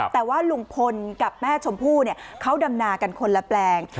แต่ว่าลุงพลกับแม่ชมพู่เขาดำนากันคนละแปลง